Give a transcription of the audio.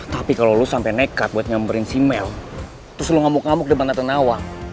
tapi kalo lo sampe nekat buat nyamperin si mel terus lo ngamuk ngamuk depan tante nawang